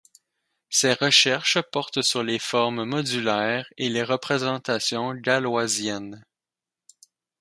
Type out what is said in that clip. Ses recherches portent sur les formes modulaires et les représentations galoisiennes.